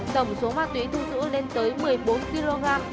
tổng số ma túy thu giữ lên tới một mươi bốn kg